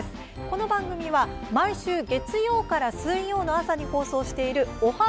この番組は毎週月曜から水曜の朝に放送している「オハ！